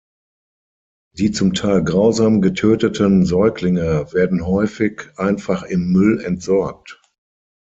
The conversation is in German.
Die zum Teil grausam getöteten Säuglinge werden häufig einfach im Müll entsorgt.